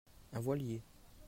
un voilier.